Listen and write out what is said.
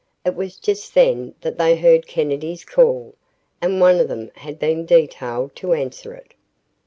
It was just then that they heard Kennedy's call, and one of them had been detailed to answer it.